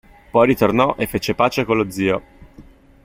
Poi ritornò e fece pace con lo zio.